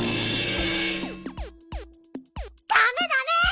ダメダメ！